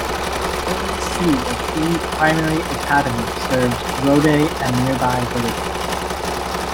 Rowde C of E Primary Academy serves Rowde and nearby villages.